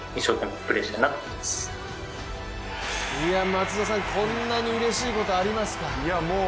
松田さん、こんなにうれしいことありますか？